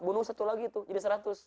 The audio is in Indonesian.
bunuh satu lagi itu jadi seratus